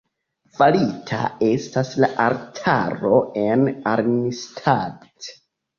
Farita estas la altaro en Arnstadt.